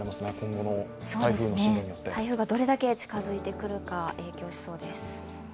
台風がどれだけ近づいてくるか影響しそうです。